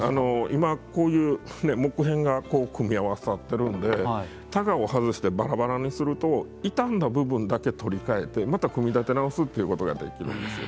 今こういう木片が組み合わさってるんで箍を外してバラバラにすると傷んだ部分だけ取り替えてまた組み立て直すっていうことができるんですよ。